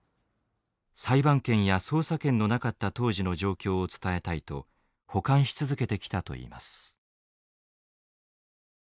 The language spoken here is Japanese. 裁判権や捜査権のなかった当時の状況を伝えたいと保管し続けてきたといいます。